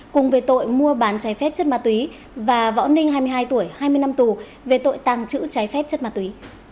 cùng về tội mua bán trái phép chất ma túy và võ ninh hai mươi hai tuổi hai mươi năm tù về tội tàng trữ trái phép chất ma túy